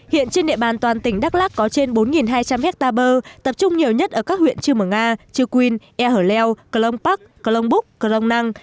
hiện trên địa bàn toàn tỉnh đắk lắc có trên bốn hai trăm linh hectare bơ tập trung nhiều nhất ở các huyện trư mở nga trư quynh e hở leo cờ lông bắc cờ lông búc cờ lông năng